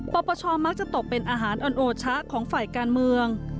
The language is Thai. ปปชมักจะตกเป็นอาหารออนโอชะของฝ่ายการเมือง